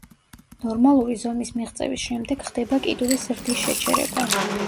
ნორმალური ზომის მიღწევის შემდეგ ხდება კიდურის ზრდის შეჩერება.